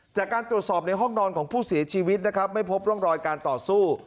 จากการตรวจสอบในห้องนอนของผู้เสียชีวิตนะครับไม่พบร่องรอยการต่อสู้